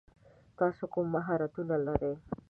تاسو کوم مهارتونه لری ؟